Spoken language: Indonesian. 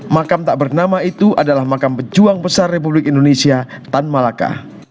makam tak bernama itu adalah makam pejuang besar republik indonesia tan malaka